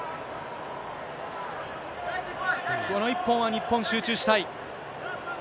この一本は、日本、集中したい。